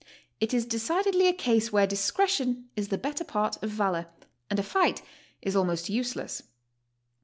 It is decidedly a case where dis cretion is the better part of valor, and a fight is almost use less.